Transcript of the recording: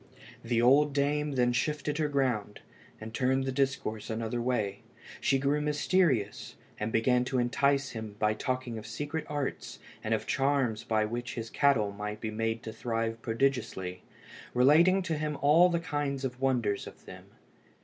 The old dame then shifted her ground, and turned the discourse another way. She grew mysterious, and began to entice him by talking of secret arts and of charms by which his cattle might be made to thrive prodigiously, relating to him all kinds of wonders of them.